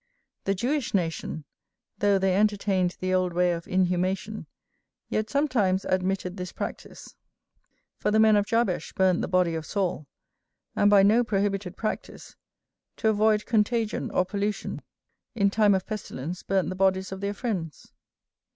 The Jewish nation, though they entertained the old way of inhumation, yet sometimes admitted this practice. For the men of Jabesh burnt the body of Saul; and by no prohibited practice, to avoid contagion or pollution, in time of pestilence, burnt the bodies of their friends.